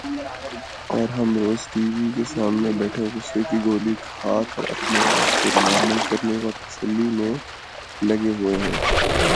اور ہم روز ٹی وی کے سامنے بیٹھے غصے کی گولی کھا کر اپنے آپ کو نارمل کرنے اور تسلی میں لگے ہوئے ہیں ۔